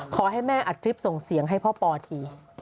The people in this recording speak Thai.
ขอให้แม่อัดคลิปส่งเสียงให้พ่อปอที